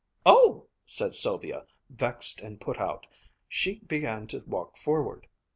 "Oh!" said Sylvia, vexed and put out. She began to walk forward.